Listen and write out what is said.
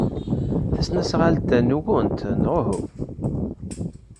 Tasnasɣalt-a nwent, neɣ uhu?